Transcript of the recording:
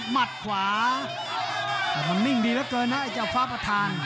มัดขวามันนิ่งดีเยอะเกินนะฮะไอ้เจ้าฟ้าประธาน